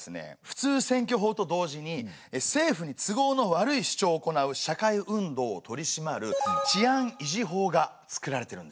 普通選挙法と同時に政府に都合の悪い主張をおこなう社会運動を取り締まる治安維持法が作られてるんですよ。